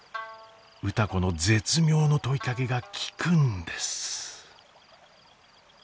歌子の絶妙の問いかけが効くんです。